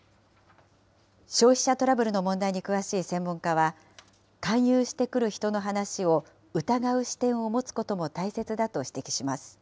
消費者トラブルの問題に詳しい専門家は、勧誘してくる人の話を疑う視点も持つことも大切だと指摘します。